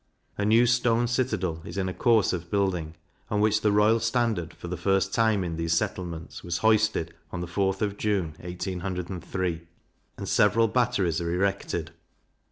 A new stone citadel is in a course of building, on which the Royal Standard, for the first time in these settlements, was hoisted on the 4th of June, 1803; and several batteries are erected.